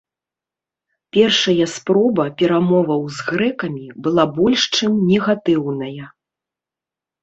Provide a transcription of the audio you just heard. Першая спроба перамоваў з грэкамі была больш чым негатыўная.